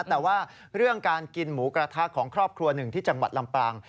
แต่ว่าเรื่องการกินหมูกระทะของครอบครัวหนึ่งที่จังหวัดลำปาง